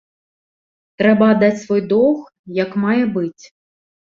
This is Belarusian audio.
Трэба аддаць свой доўг, як мае быць.